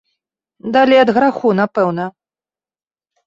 Далей ад граху, напэўна.